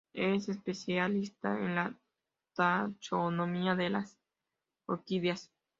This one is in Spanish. Es especialista en la taxonomía de las orquídeas.